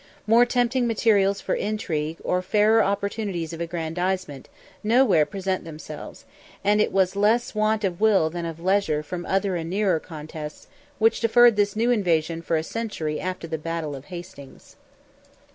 More tempting materials for intrigue, or fairer opportunities of aggrandizement, nowhere presented themselves, and it was less want of will than of leisure from other and nearer contests, which deferred this new invasion for a century after the battle of Hastings.